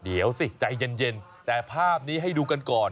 เดี๋ยวสิใจเย็นแต่ภาพนี้ให้ดูกันก่อน